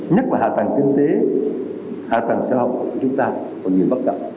nhất là hạ tầng kinh tế hạ tầng xã hội của chúng ta còn nhiều bất cập